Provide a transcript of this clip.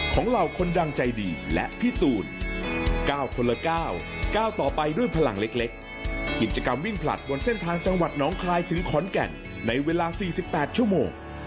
กิจกรรมวิ่งผลัดบนเส้นทางจังหวัดน้องคลายถึงขอนแก่นในเวลา๔๘ชั่วโมง